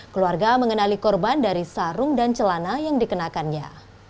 keluarga mengenali korban dari sarung dan celana yang dikenakannya